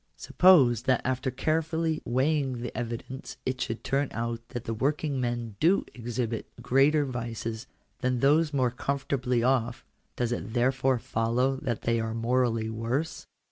Suppose that after carefully weighing the evidence it should turn out that the working men do exhibit greater vices than those more comfortably off; does it therefore follow that they are morally worse